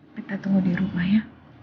kita tunggu dia